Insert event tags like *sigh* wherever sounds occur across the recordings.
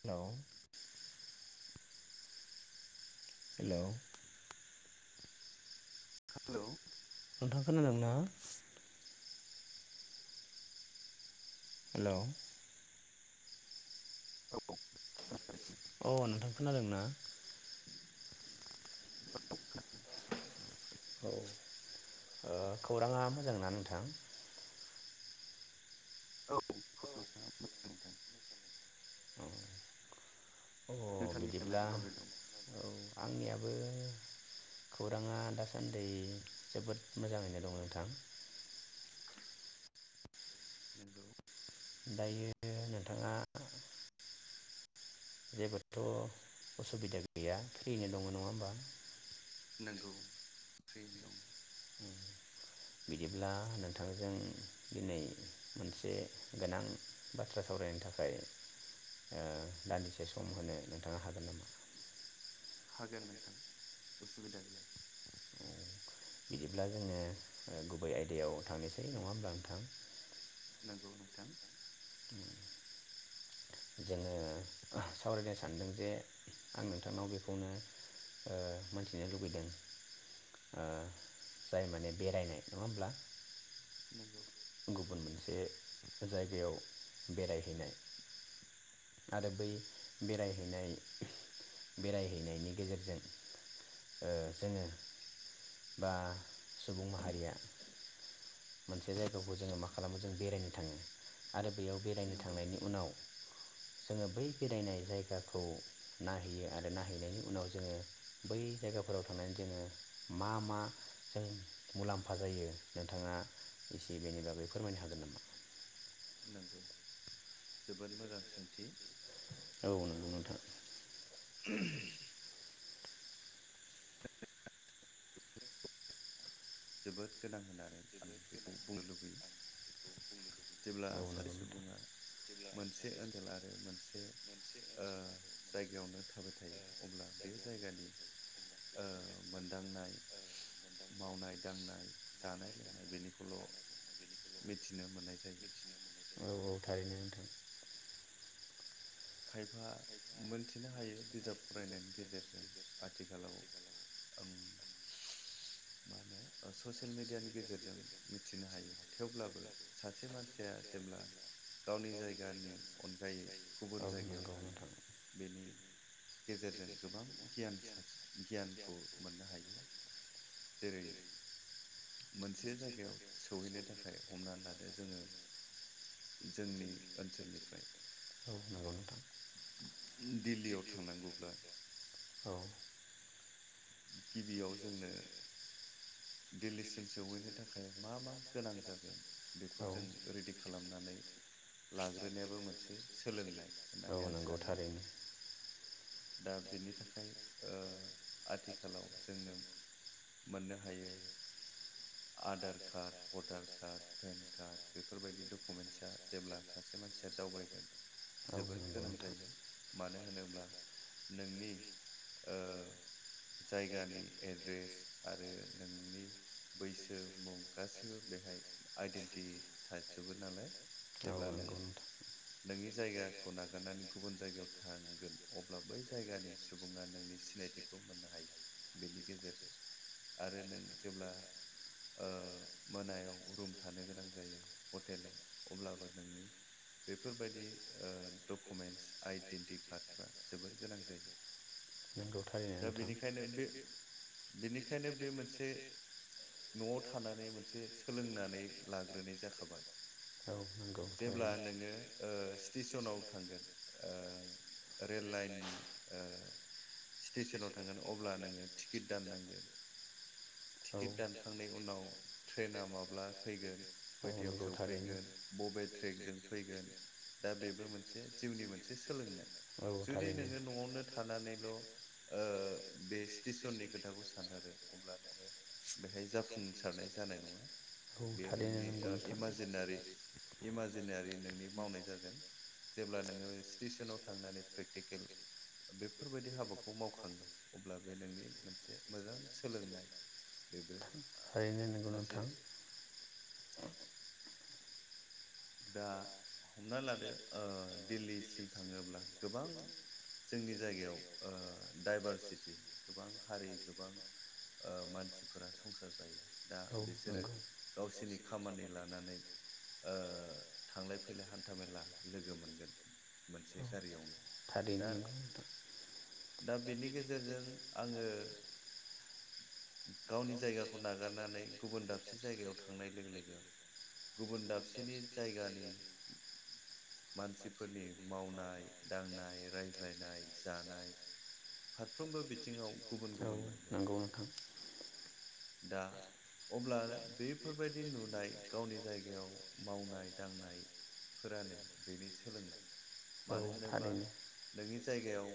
Hello hello hello नोंथां खोनादोंना? Hello औ नोंथां खोनादोंना? *inaudible* औ ओ खौराङा मोजांना नोंथां? औ औ अ बिदिब्ला औ आंनिया बो खौराङा दासान्दै जोबोद मोजाङैनो दं नोंथां। नंगौ दायो नोंथाङा जेबोथ' असुबिदा गैया फ्रिनो दङ नङा नोंगौ फ्रिनो दं बिदिब्ला नोंथांजों दिनै मोनसे गोनां बाथ्रा सावरायनो थाखाय ओ दान्दिसे सम होनो नोंथाङा हागोन नामा? असुबिदा गैया। बिदिब्ला जोङो गुबै आयदायाव थांनोसै नङा होमब्ला नोंथां? नंगौ नोंथां। जोङो सावरायनो सानदों जे आं नोंथांनाव बेखौनो ओ मोनथिनो लुबैदों ओ जाय माने बेरायनाय नङा होमब्ला? नोंगौ गुबुन मोनसे जायगायाव बेरायहैनाय आरो बै बेरायहैनाय बेरायहैनायनि गेजेरजों ओ जोङो बा सुबुं माहारिया मोनसे जाय *unintelligible* जोङो मा खालामो जों बेरायनो थाङो आरो बेयाव बेरायनो थांनायनि उनाव जोङो बै बेरायनाय जायगाखौ नायहैयो आरो नायहैनायनि उनाव जोङो बै जायगाफोराव थांनानै जोङो मा मा जों मुलाम्फा जायो नोंथाङा एसे बेनि बागै फोरमायनो हागोन नामा? नंगौ जोबोद मोजां सोंथि। औ नोंगौ नोंथां। जोबोद गोनां होननानै आं बेखौ बुंनो लुबैयो। जेब्ला सासे सुबुङा मोनसे ओनसोल आरो मोनसे ओ जायगायावनो थाबाय थायो अब्ला बे जायगानि ओ मोनदांनाय मावनाय दांनाय जानाय लोंनाय बेनिखौल' मिथिनो मोननाय जायो। औ औ थारैनो नोंथां। खायफा मोनथिनो हायो बिजाब फरायनायनि गेजेरजों आथिखालाव ओं मा होनो ओ ससियेल मिडियानि गेजेरजों मिथिनो हायो थेवब्लाबो सासे मानसिया जेब्ला गावनि जायगानि अनगायै गुबुन जायगायाव थाङो बेनि गेजेरजों गोबां गियान सा गियानखौ मोननो हायो जेरै मोनसे जायगायाव सौहैनो थाखाय हमनानै लादो जोङो जोंनि ओनसोलनिफ्राय दिल्लीयाव थांनांगौब्ला गिबियाव जोंनो दिल्लीसिम सौहैनो थाखाय मा मा गोनां जागोन बेखौ जों रेडि खालामनानै लाग्रोनायाबो मोनसे सोलोंनाय होननानै आं सानो दा बेनि थाखाय ओ आथिखाल आथिखालाव जोंनो मोननो हायो Aadhaar card, voter card, PAN card बेफोरबायदि डकुमेन्टस जेब्ला सासे मानसिया दावबायगोन औ नंगौ नोंथां मानो होनोब्ला नोंनि ओ जायगानि एड्रेस आरो नोंनि बैसो मुं गासैयबो बेहाय आइडेन्टि थाजोबो नालाय जेब्ला नों नोंनि जायगाखौ नागारनानै गुबुन जायगायाव थांगोन अब्ला बै जायगानि सुबुङा नोंनि सिनायथिखौ मोननो हायो बेनि गेजेरजों आरो नों जेब्ला ओ मोनायाव रुम थानो गोनां जायो हटेलाव अब्लाबो नोंनि बेफोरबायदि ओ डकुमेन्टस आइडेेनटिटि कार्डफ्रा जोबोर गोनां जायो दा बेनि खायनो बे बेनिखायनो बे मोनसे न'आव थानानै मोनसे सोलोंनानै लाग्रोनाय जाखाबाय जेब्ला नोङो ओ स्टेसनाव थांगोन ओ रेल लाइननि ओ स्टेसनाव थांगोन अब्ला नोङो टिकेट दाननांगोन। औ टिकेट दानखांनाय उनाव ट्रेना माब्ला फैगोन औ नंगौ थारैनो। बबे ट्रेकजों फैगोन दा बेबो मोनसे जिउनि मोनसे सोलोंनाय औ थारैनो। जुदि नोङो न'आवनो थानानैल' बे स्टेसननि खोथाखौ सो सानारो अब्ला नोङो बेहाय जाफुंसारनाय जानाय नङा बेयो नोंनि ओ इमाजिनारि नोंनि मावनाय जागोन जेब्ला नोङो स्टेसनआव थांनानै प्रेकटिकेल बेफोरबायदि हाबाखौ मावख ओं अब्ला बे नोंनि मोनसे सोलोंनाय बेबो उ सासे दा हमना लादो दिल्लीसिम थाङोब्ला गोबां जोंनि जायगायाव डाइभारसिटि गोबां हारि गोबां मानसिफोरा संसार जायो दा बिसोरो गावसिनि खामानि लानानै थांलाय फैलाय हान्था मेला लोगो मोनगोन मोनसे गारियावनो दा दा बेनि गेजेरजों आङो गावनि जायगाखौ नागारनानै गुबुन दाबसे जायगायाव थांनाय लोगो लोगो गुबुन दाबसेनि जायगानि मानसिफोरनि मावनाय दांनाय रायज्लायनाय जानाय साफ्रोमबो बिथिङाव राव औ नांगौ नोंथां दा अब्लानो बेफोरबायदि नुनाय गावनि जायगायाव मावनाय दांनायफोरानो बेनि सोलोंनाय मानो होनोब्ला नोंनि जायगायाव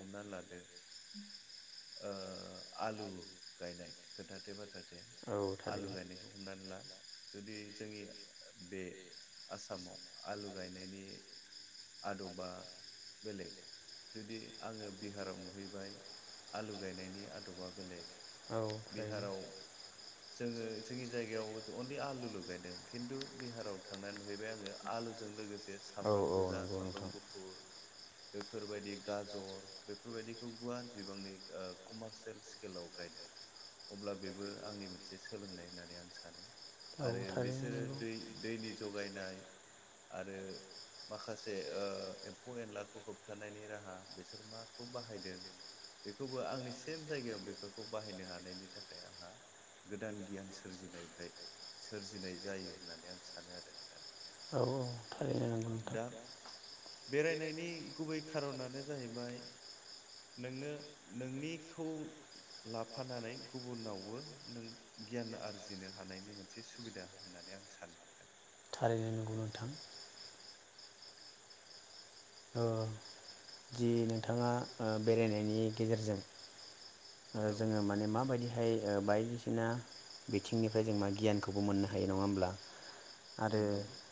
हमनानै लादो उ आलु गायनाय खोथाथे बाथ्रा थे आलु गायनायखौ हमनानै ला जुदि जोंनि ओ बे। आसामाव आलु गायनायनि आदबा बेलेग जुदि आङो बिहाराव नुहैबाय आलु गायनायनि आदबा बेलेग। बिहाराव जोङो जोंनि जायगायाव अनलि आलुल' गायदों खिन्थु बिहाराव। नुहैबाय आङो आलुजों लोगोसे सामब्राम गोजा सामब्राम गुफुर बेफोरबायदि गाजर बेफोरबायदिखौ गुवार बिबांनि ओ कमारसेल स्केलाव गायदों। अब्ला बेबो आंनि मोनसे सोलोंनाय होननानै आं सानो आरो बिसोरो दै दैनि ज *unintelligible* नाय आरो माखासे ओ एम्फौ एनलाखौ होबथानायनि राहा बिसोर माखौ बाहायदों बेखौबो आंनि सेम जायगायाव बे बाहायनो। हानायनि थाखाय आंहा गोदान गियान सोरजिनाय बाइद सोरजिनाय जायो होननानै आं सानो आरो। औ औ थारैनो नोंगौ नोंथां। फाननानै गुबुनावबो नों गियान आरजिनो हानायनि मोनसे सुबिदा होननानै आं सानो। *unintelligible* यो नगौ नोंथां। ओ दि नोंथाङा ओ बेरायनायनि गेजेरजों। ओ जोङो माने माबायदि हाय थाय ओ बायदिसिना बिथिंनिफ्राय जों मा गियानखौबो मोननो हायो नङा होमब्ला। आरो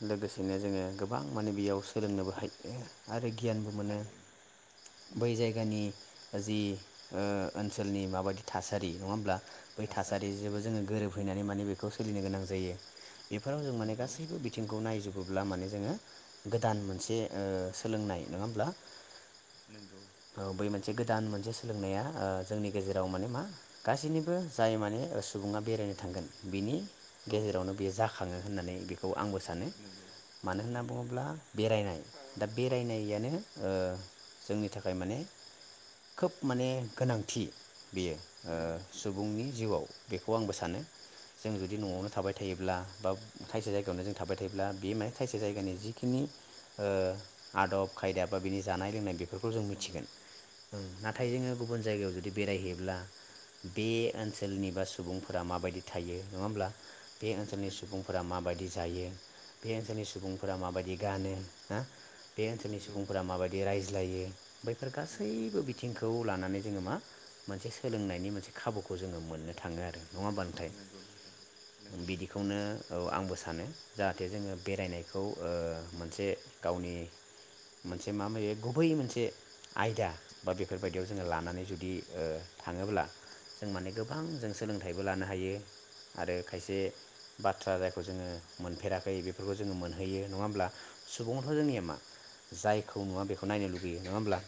लोगोसे। बिदिनो जोङो गोबां माने बेयाव सोलोंनोबो हायो। आरो गियानबो मोनो। बै जायगानि जि ओ ओनसोलनि माबायदि थासारि नङा होमब्ला। बै थासारिजोबो जोङो गोरोबहैनानै माने बेफो खौ सोलिनो गोनां जायो। बेफोराव जों माने गासैबो बिथिंखौ नायजोब बुब्ला माने जोङो गोदान मोनसे ओ सोलोंनाय नोङा होमब्ला। नोंगौ। औ बै मोनसे गोदान मोनसे सोलोंनाया ओ जोंनि गेजेराव माने मा गासैनिबो जाय माने सुबुङा बेरायनो थांगोन। बिनि गेजेरावनो बेयो जा खाङो होननानै बे खौ आंबो सानो मानो होनना बुङोब्ला बेरायनाय दा बेरायनायानो। ओ जोंनि था खाय माने खोब माने गोनांथि। बेयो ओ सुबुंनि जिउआव। बेखौ आंबो सानो। जों जुदि न'आवनो थाबाय थायोब्ला। बा खायसे जायगायावनो जों थाबाय थायोब्ला बे माने थायसे जायगानि जिखिनि ओ आदब खायदा बा बिनि जानाय लोंनाय बे फोरखौ जों मिथिगोन नाथाय जोङो गुबुन जायगायाव जुदि बेरायहैयोब्ला बे ओनसोलनि बा सुबुंफोरा माबायदि थायो नङा होमब्ला बे ओनसोलनि सुबुंफोरा माबायदि जायो बे ओनसोलनि सुबुंफोरा माबायदि गानो हा बे ओनसोलनि सुबुंफोरा माबायदि रायज्लायो बैफोर गासैबो बिथिंखौ लानानै जोङो मा मोनसे सोलोंनायनि मोनसे खाबुखौ जोङो मोननो थाङो आरो। नङा होनबा नोंथां बिदिखौनो औ आंबो सानो। जाहाथे जोङो बेरायनायखौ ओ मोनसे गावनि मोनसे मा गुबै मोनसे आयदा बा बेफोरबायदियाव जोङो लानानै जुदि थाङोब्ला जों माने गोबां जों सोलोंथाइबो लानो हायो आरो खायसे बाथ्रा जायखौ जोङो मोनफेराखै बेफोरखौ जोङो मोनहैयो नङा होमब्ला सुबुंआथ' जोंनिया मा जायखौ नुवा बेखौ नायनो लुुबैयो। नङा होमब्ला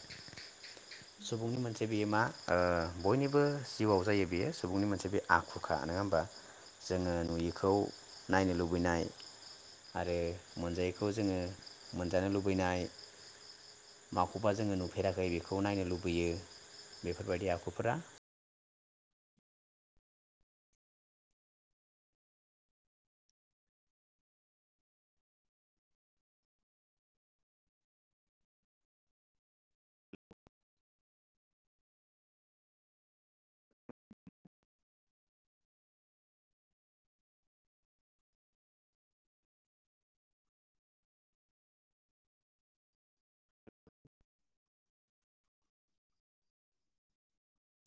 सुबुंनि मोनसे बेयो मा बयनिबो जिउआव जायो बेयो सुबुंनि मोनसे बे आखुखा नङा होमबा जोङो नुयैखौ नायनो लुबैनाय आरो मोनजायैखौ जोङो मोनजानो लुबैनाय मा खौबा जोङो नुफेराखै बेखौ नायनो लुबैयो बेफोरबायदि आखुफोरा